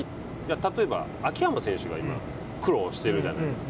例えば秋山選手が今苦労してるじゃないですか。